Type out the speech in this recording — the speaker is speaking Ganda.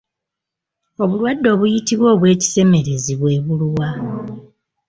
Obulwadde obuyitibwa obw'ekisemerezi bwe buluwa?